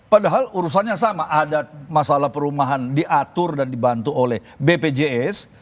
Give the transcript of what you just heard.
padahal urusannya sama ada masalah perumahan diatur dan dibantu oleh bpjs